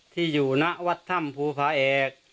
ที่อยู่นะวัดธรรมภูภาเอก